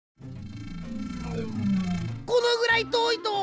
このぐらいとおいと。